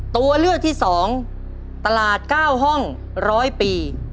ตัวเลือกที่สองตลาดเก้าห้องร้อยปี